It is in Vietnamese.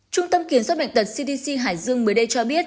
trung tâm kiểm soát bệnh tật cdc hải dương mới đây cho biết